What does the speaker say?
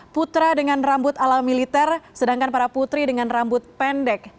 putra dengan rambut ala militer sedangkan para putri dengan rambut pendek